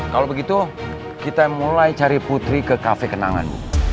kalau begitu kita mulai cari putri ke kafe kenangan